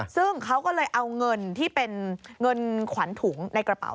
ซึ่งเขาก็เลยเอาเงินที่เป็นเงินขวัญถุงในกระเป๋า